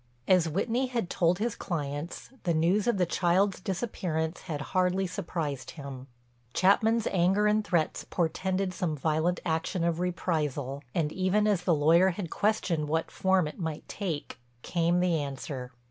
As Whitney had told his clients, the news of the child's disappearance had hardly surprised him. Chapman's anger and threats portended some violent action of reprisal, and, even as the lawyer had questioned what form it might take, came the answer.